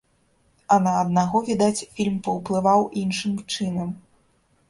А на аднаго, відаць, фільм паўплываў іншым чынам.